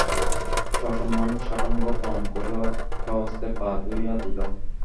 সসম্মানে সাষ্টাঙ্গ প্রণাম করিল, স্বহস্তে পা ধোয়াইয়া দিল।